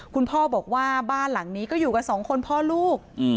คุณพ่อบอกว่าบ้านหลังนี้ก็อยู่กันสองคนพ่อลูก